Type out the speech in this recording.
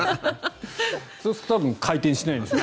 そうすると多分回転しないですね。